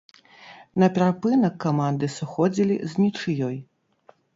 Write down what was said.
На перапынак каманды сыходзілі з нічыёй.